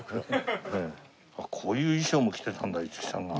こういう衣装も着てたんだ五木さんが。